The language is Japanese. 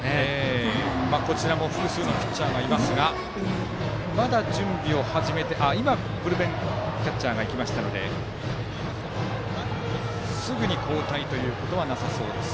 こちらも複数のピッチャーがいますが今、ブルペンキャッチャーが行きましたのですぐに交代はなさそうです。